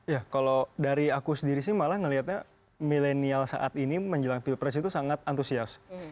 ya kalau dari aku sendiri sih malah melihatnya milenial saat ini menjelang pilpres itu sangat antusias